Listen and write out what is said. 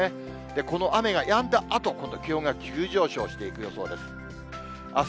この雨がやんだあと、今度は気温が急上昇していく予想です。